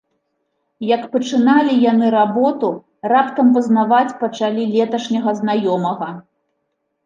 Як пачыналі яны работу, раптам пазнаваць пачалі леташняга знаёмага.